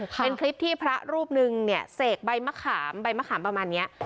เป็นคลิปที่พระรูปหนึ่งเนี่ยเสกใบมะขามใบมะขามประมาณนี้